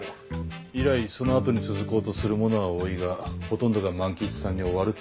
以来その後に続こうとする者は多いがほとんどが万吉さんに終わるってことか。